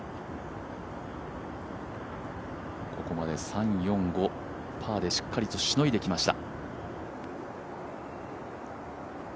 ここまで、３、４、５、パーでしっかりとしのいできました。